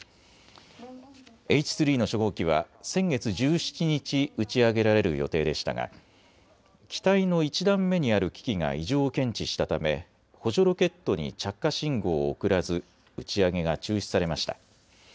Ｈ３の初号機は先月１７日打ち上げられる予定でしたが機体の１段目にある機器が異常を検知したため補助ロケットに着火信号を送らず打ち上げが中止されました。